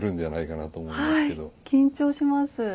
はい緊張します。